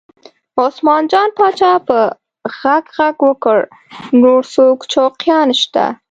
عثمان جان پاچا په غږ غږ وکړ نور څوک شوقیان شته؟